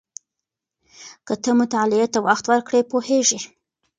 که ته مطالعې ته وخت ورکړې پوهېږې.